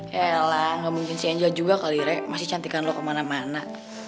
yalah gak mungkin si angel juga kali re masih cantikan lo kemana mana